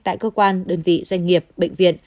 tại cơ quan đơn vị doanh nghiệp bệnh viện